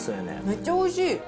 めっちゃおいしい。